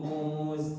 apa yang kita lakukan